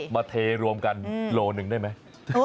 มาเทรวมกันโลหนึ่งได้ไหม